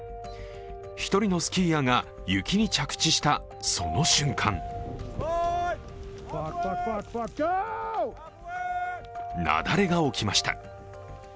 １人のスキーヤーが雪に着地したその瞬間雪崩が起きました。